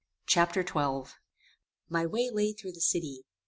Chapter XII My way lay through the city.